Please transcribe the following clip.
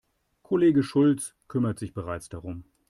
Kollege Schulz kümmert sich bereits darum.